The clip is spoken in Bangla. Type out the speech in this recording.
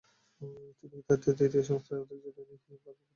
তিনি তৃতীয় স্থান অধিকার করলেও তাঁর ভাগ্যে বৃত্তি জোটেনি।